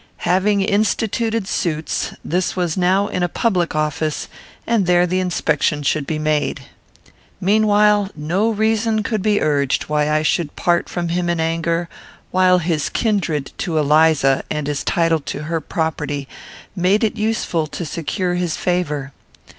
Having instituted suits, this was now in a public office, and there the inspection should be made. Meanwhile, no reason could be urged why I should part from him in anger, while his kindred to Eliza, and his title to her property, made it useful to secure his favour.